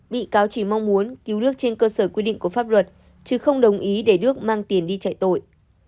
bị cáo chỉ mong muốn cứu nước trên cơ sở quy định của pháp luật chứ không đồng ý để đức mang tiền đi chạy tội